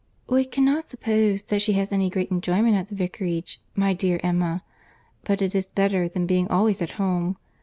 "We cannot suppose that she has any great enjoyment at the Vicarage, my dear Emma—but it is better than being always at home.